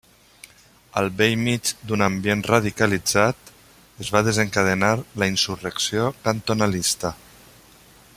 Al bell mig d'un ambient radicalitzat, es va desencadenar la insurrecció cantonalista.